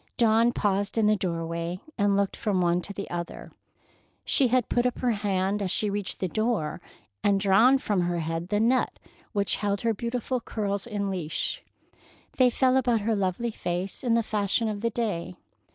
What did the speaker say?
Dawn paused in the doorway and looked from one to the other. She had put up her hand as she reached the door, and drawn from her head the net which held her beautiful curls in leash. They fell about her lovely face in the fashion of the day.